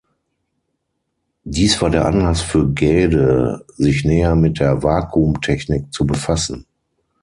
Dies war der Anlass für Gaede, sich näher mit der Vakuumtechnik zu befassen.